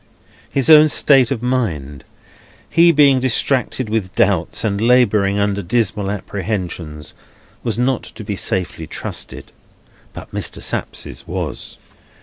His own state of mind, he being distracted with doubts, and labouring under dismal apprehensions, was not to be safely trusted; but Mr. Sapsea's was.